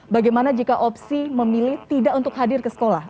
bagaimana jika opsi memilih tidak untuk hadir ke sekolah